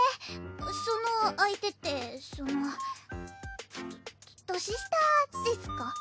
その相手ってそのとと年下ですか？